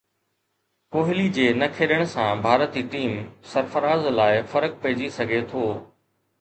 ڪوهلي جي نه کيڏڻ سان ڀارتي ٽيم سرفراز لاءِ فرق پئجي سگهي ٿو